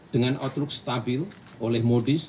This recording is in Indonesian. dengan outlook stabil oleh modis